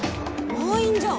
満員じゃん